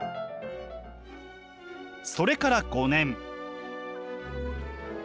それから５年。